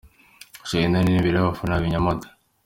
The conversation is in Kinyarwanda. Charly na Nina imbere y'abafana babo i Nyamata.